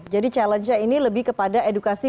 jadi challenge nya ini lebih kepada edukasi